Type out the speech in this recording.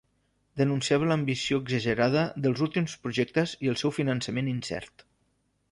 Denunciava l'ambició exagerada dels últims projectes i el seu finançament incert.